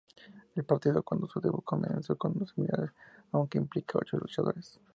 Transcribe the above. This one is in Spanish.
El partido cuando su debut comenzó como similar a un que implica ocho luchadoras.